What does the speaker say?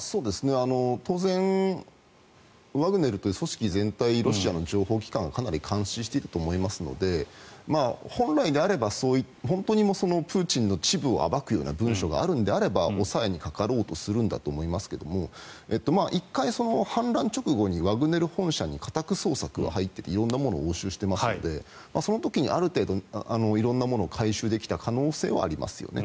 当然、ワグネルって組織全体、ロシアの情報機関はかなり監視していると思いますので、本来であれば本当にプーチンの恥部を暴く文書があるのであれば抑えにかかろうとするんだと思いますが１回、反乱直後にワグネル本社に家宅捜索が入って色んなものを押収してますのでその時にある程度色んな物を回収できた可能性はありますよね。